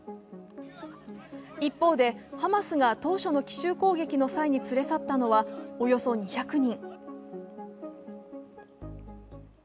一方で、ハマスが当初の奇襲攻撃の際に連れ去ったのはおよそ２００人。